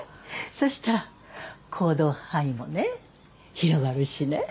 そしたら行動範囲もね広がるしね